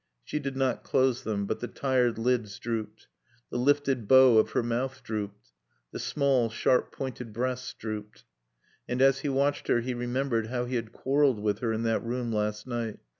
She did not close them. But the tired lids drooped. The lifted bow of her mouth drooped. The small, sharp pointed breasts drooped. And as he watched her he remembered how he had quarreled with her in that room last night.